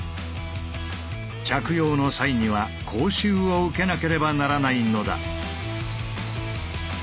着用の際には講習を受けなければならないのだ。